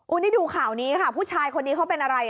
นี่ดูข่าวนี้ค่ะผู้ชายคนนี้เขาเป็นอะไร